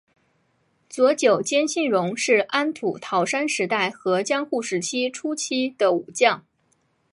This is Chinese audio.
佐久间信荣是安土桃山时代和江户时代初期的武将。